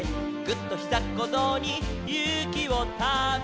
「ぐっ！とひざっこぞうにゆうきをため」